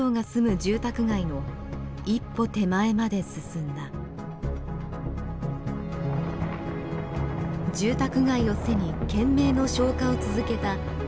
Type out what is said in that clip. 住宅街を背に懸命の消火を続けたＣＡＬＦＩＲＥ。